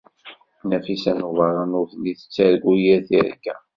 Nafisa n Ubeṛṛan ur telli tettargu yir tirga.